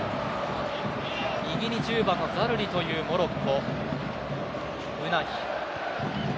右に１０番、ザルリというモロッコ。